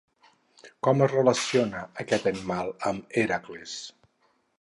Com es relaciona aquest animal amb Hèracles?